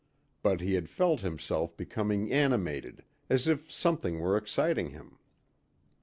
But he had felt himself becoming animated as if something were exciting him.